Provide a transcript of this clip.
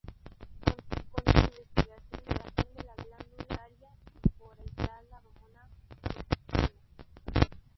Conocido por su investigación de la glándula pituitaria y por aislar la hormona prolactina.